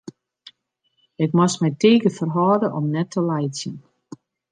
Ik moast my tige ferhâlde om net te laitsjen.